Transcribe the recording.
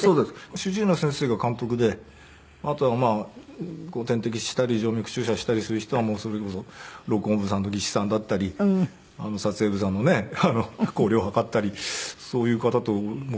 主治医の先生が監督であとはまあ点滴したり静脈注射したりする人はそれこそ録音部さんと技師さんだったり撮影部さんのね光量を測ったりそういう方とすごく似て感じて。